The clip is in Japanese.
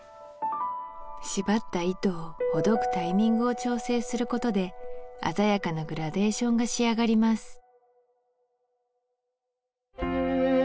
縛った糸をほどくタイミングを調整することで鮮やかなグラデーションが仕上がります